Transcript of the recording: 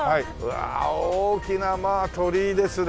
わあ大きな鳥居ですね。